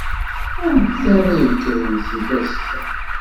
Anta ara d-yekkren zik azekka?